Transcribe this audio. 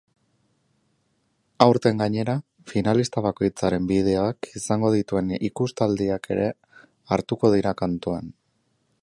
Aurten gainera, finalista bakoitzaren bideoak izango dituen ikustaldiak ere hartuko dira kontutan.